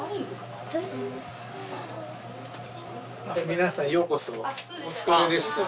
皆さんようこそ。